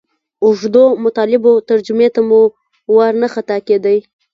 اوږدو مطالبو ترجمې ته مو وار نه خطا کېدئ.